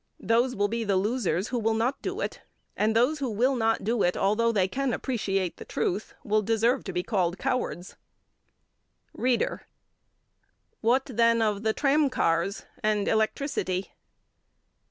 Those will be the losers who will not do it, and those who will not do it, although they can appreciate the truth, will deserve to be called cowards. READER: What, then, of the tram cars and electricity?